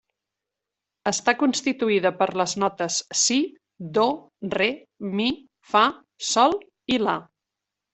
Està constituïda per les notes si, do, re, mi, fa, sol, i la.